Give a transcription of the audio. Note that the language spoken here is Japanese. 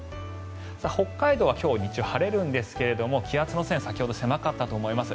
北海道は今日、日中晴れるんですが気圧の線先ほど狭かったと思います。